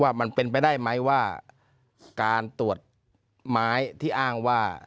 มันเป็นไปได้ไหมว่าการตรวจไม้ที่อ้างว่า